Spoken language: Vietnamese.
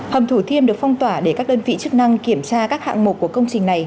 hầm thủ thiêm được phong tỏa để các đơn vị chức năng kiểm tra các hạng mục của công trình này